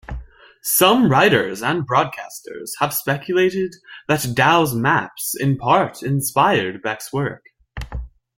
Some writers and broadcasters have speculated that Dow's maps in-part inspired Beck's work.